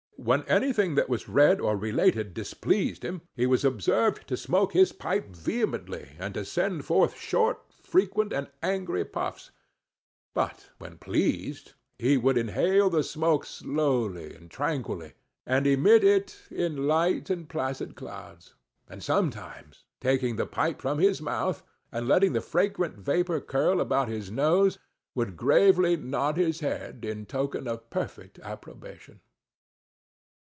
When anything that was read or related displeased him, he was observed to smoke his pipe vehemently, and to send forth short, frequent and angry puffs; but when pleased, he would inhale the smoke slowly and tranquilly, and emit it in light and placid clouds; and sometimes, taking the pipe from his mouth, and letting the fragrant vapor curl about his nose, would gravely nod his head in token of perfect approbation.